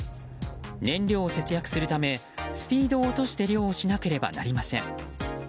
燃料を節約するためスピードを落として漁をしなければなりません。